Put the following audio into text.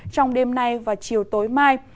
trong đêm nay và chiều tối